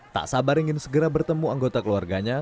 tak sabar ingin segera bertemu anggota keluarganya